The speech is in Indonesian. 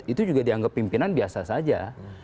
itu juga dianggap pimpinan biasa saja